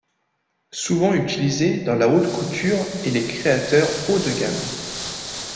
Souvent utilisé dans la haute couture et les créateurs Haut de gamme.